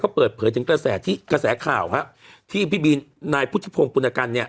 ก็เปิดเผยจนกระแสข่าวที่พี่บีนนายพุทธิพงศ์ปุณกัน